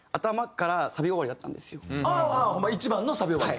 まあ１番のサビ終わり。